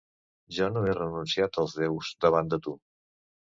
Jo no he renunciat als déus davant de tu.